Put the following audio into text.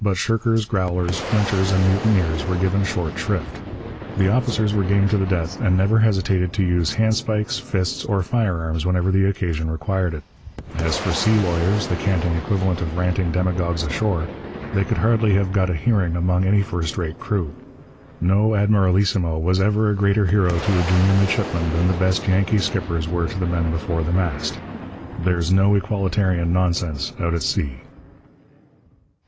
But shirkers, growlers, flinchers, and mutineers were given short shrift. The officers were game to the death and never hesitated to use handspikes, fists, or firearms whenever the occasion required it. As for sea lawyers the canting equivalent of ranting demagogues ashore they could hardly have got a hearing among any first rate crew. No admiralissimo ever was a greater hero to a junior midshipman than the best Yankee skippers were to the men before the mast. There's no equalitarian nonsense out at sea.